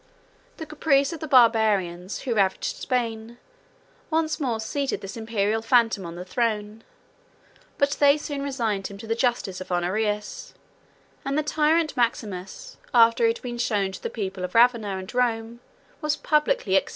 The caprice of the Barbarians, who ravaged Spain, once more seated this Imperial phantom on the throne: but they soon resigned him to the justice of Honorius; and the tyrant Maximus, after he had been shown to the people of Ravenna and Rome, was publicly executed.